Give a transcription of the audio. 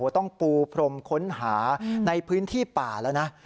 ต้องปูพรมค้นหาในพื้นที่ป่าแล้วนะ